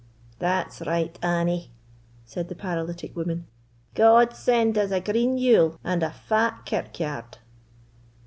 "That's right, Annie," said the paralytic woman; "God send us a green Yule and a fat kirkyard!"